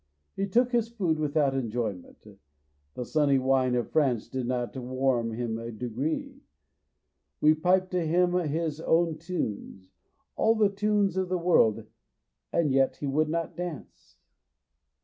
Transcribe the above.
He took his food without enjoyment, the sunny wine of France did not warm him a degree. We piped to him his own tunes, all the tunes of the world, and yet he would not dance.